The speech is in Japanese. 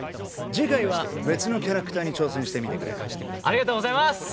次回は別のキャラクターに挑戦してみてくれありがとうございます！